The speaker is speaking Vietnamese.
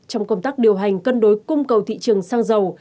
trong công tác điều hành cân đối cung cầu thị trường sang giàu